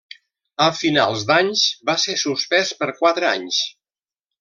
A finals d'anys va ser suspès per quatre anys.